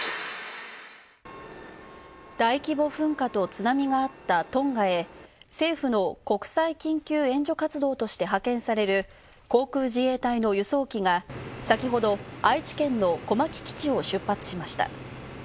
大規模噴火と津波があったトンガへ政府の国際緊急援助活動として派遣される航空自衛隊の輸送機が先ほど、愛知県の小牧基地を出発しました。